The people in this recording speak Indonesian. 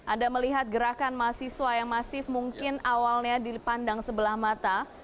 anda melihat gerakan mahasiswa yang masif mungkin awalnya dipandang sebelah mata